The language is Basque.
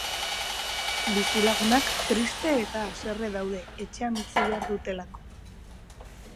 Bizilagunak triste eta haserre daude, etxean utzi behar dutelako.